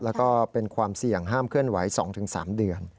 แล้วก็เป็นความเสี่ยงห้ามเคลื่อนไหว๒๓เดือน